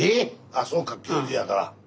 ああそうか９０やから。